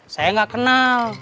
saya gak kenal